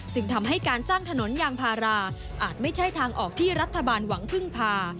จึงทำให้การสร้างถนนยางพาราอาจไม่ใช่ทางออกที่รัฐบาลหวังพึ่งพา